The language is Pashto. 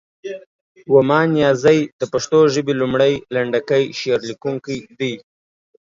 ومان نیازی د پښتو ژبې لومړی، لنډکی شعر لیکونکی دی.